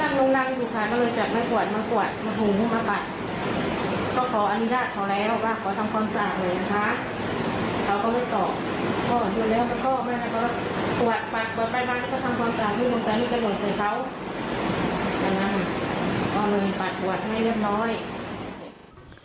เมื่อโรงพยาบาลใส่เขากำลังเอามึงปัดหัวให้เรียบร้อย